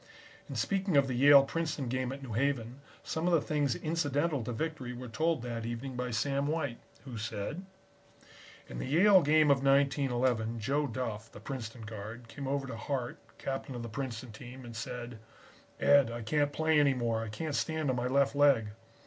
In speaking of the Yale Princeton game at New Haven, some of the things incidental to victory were told that evening by Sam White, who said: "In the Yale game of 1911, Joe Duff, the Princeton guard, came over to Hart, Captain of the Princeton team, and said: "'Ed, I can't play any more. I can't stand on my left leg.'